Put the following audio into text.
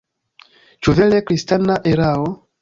Ĉu vere kristana erao?